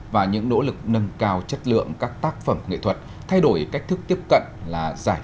và những nỗ lực nâng cao chất lượng các tác phẩm nghệ thuật thay đổi cách thức tiếp cận là giải